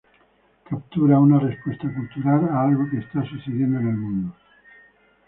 Captura una respuesta cultural a algo que está sucediendo en el mundo.